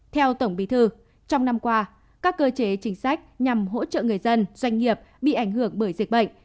theo tổng bí thư trong năm qua các cơ chế chính sách nhằm hỗ trợ người dân doanh nghiệp bị ảnh hưởng bởi dịch bệnh